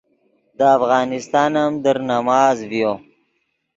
دے افغانستان ام در نماز ڤیو